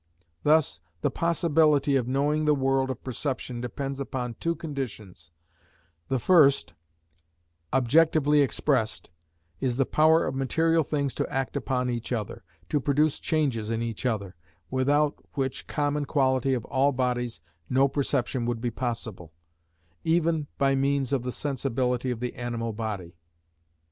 Thus the possibility of knowing the world of perception depends upon two conditions; the first, objectively expressed, is the power of material things to act upon each other, to produce changes in each other, without which common quality of all bodies no perception would be possible, even by means of the sensibility of the animal body.